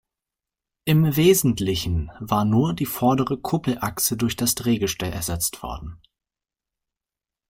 Im Wesentlichen war nur die vordere Kuppelachse durch das Drehgestell ersetzt worden.